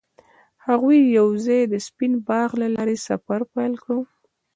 هغوی یوځای د سپین باغ له لارې سفر پیل کړ.